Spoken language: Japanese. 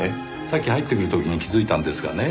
さっき入ってくる時に気づいたんですがね